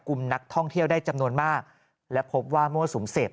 กลุ่มนักท่องเที่ยวได้จำนวนมากและพบว่ามั่วสุมเสพ